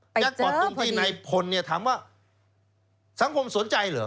แล้วก็ตรงที่ไอ้พนธรรมเนี่ยถามว่าสังคมสนใจเหรอ